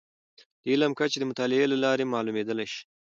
د علم کچې د مطالعې له لارې معلومیدلی شي.